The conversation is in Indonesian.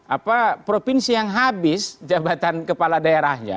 apa provinsi yang habis jabatan kepala daerahnya